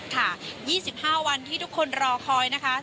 ๒๕วันที่ทุกคนรอคอยนะคะ